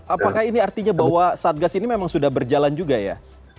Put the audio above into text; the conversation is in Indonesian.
apakah ini artinya bahwa satgas ini memang sudah berjalan juga ya